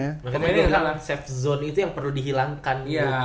makanya dalam safe zone itu yang perlu dihilangkan